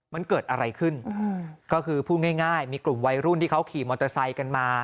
มันเกิดอะไรขึ้นก็คือพูดง่ายมีกลุ่มวัยรุ่นที่เขาขี่มอเตอร์ไซค์กันมา